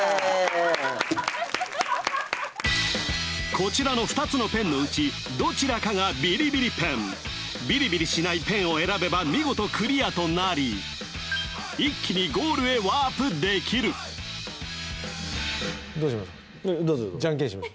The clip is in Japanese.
こちらの２つのペンのうちどちらかがビリビリペンビリビリしないペンを選べば見事クリアとなり一気にゴールへワープできるどうします？